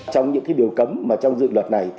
trong những điều cấm trong dự luật này